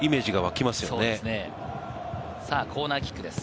コーナーキックです。